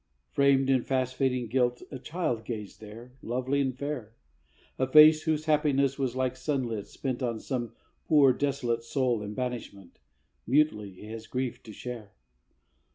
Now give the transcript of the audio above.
Framed in fast fading gilt, a child gazed there, Lovely and fair; A face whose happiness was like sunlight spent On some poor desolate soul in banishment, Mutely his grief to share.